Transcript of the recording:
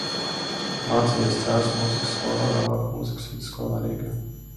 Mācījies Cēsu mūzikas skolā, vēlāk mūzikas vidusskolā Rīgā.